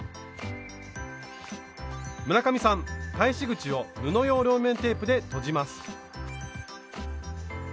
村上さん返し口を布用両面テープでとじます。